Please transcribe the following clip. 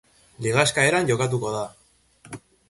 Ligaxka eran jokatuko da.